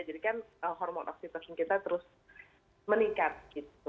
jadi kan hormon oksidasi kita terus meningkat gitu